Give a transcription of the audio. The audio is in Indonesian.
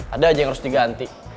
ada aja yang harus diganti